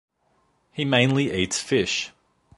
He mainly eats fish.